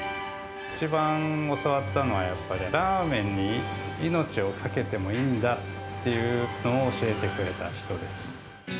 一番教わったのは、やっぱり、ラーメンに命を懸けてもいいんだっていうのを教えてくれた人です。